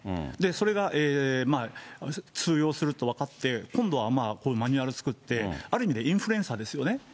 それが通用すると分かって、今度はこういうマニュアルを作って、ある意味でインフルエンサーですよね。